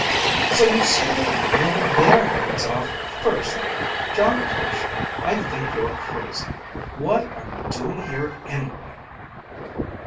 "So you seared one of their heads off first. Jon Koshar, I think you're crazy. What are you doing here anyway?"